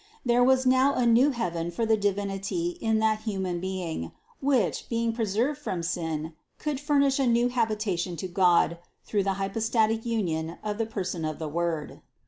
There was now a new heaven for the Divinity in that human being, which, being pre served from sin, could furnish a new habitation to God through the hypostatic union of the person of the Word.